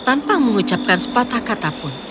tanpa mengucapkan sepatah kata pun